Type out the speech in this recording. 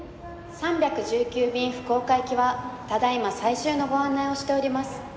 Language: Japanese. ３１９便福岡行きはただ今最終のご案内をしております。